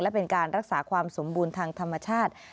และเป็นการรักษาความสมบูรณ์ทางธรรมชาติ